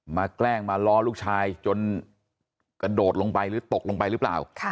แกล้งมาล้อลูกชายจนกระโดดลงไปหรือตกลงไปหรือเปล่า